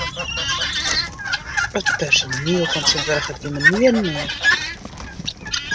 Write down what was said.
It personiel fan tsjintwurdich hat gjin manieren mear.